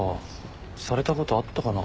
されたことあったかな？